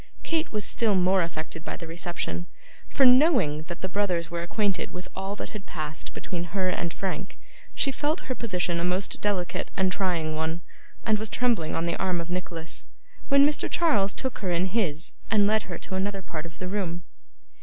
Kate was still more affected by the reception: for, knowing that the brothers were acquainted with all that had passed between her and Frank, she felt her position a most delicate and trying one, and was trembling on the arm of Nicholas, when Mr. Charles took her in his, and led her to another part of the room.